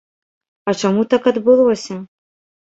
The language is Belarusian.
А чаму так адбылося?